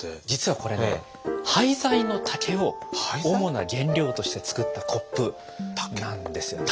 実はこれね廃材の竹を主な原料として作ったコップなんです。